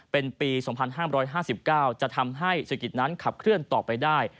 เป็นปี๒๕๕๙จะทำให้เศรษฐกิจนั้นขับเคลื่อนต่อไปได้